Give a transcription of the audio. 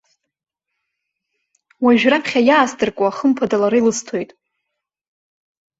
Уажә, раԥхьа иаасдыркуа, хымԥада лара илысҭоит.